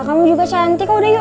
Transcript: kamu juga cantik udah yuk